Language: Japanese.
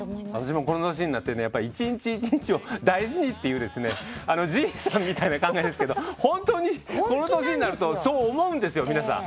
私もこの年になって一日一日を大事にっていうじいさんみたいな考えですけど本当にこの年になるとそう思うんですよ、皆さん。